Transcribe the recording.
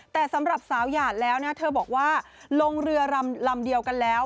แต่สำหรับสาวหยาดแล้วนะเธอบอกว่าลงเรือลำเดียวกันแล้ว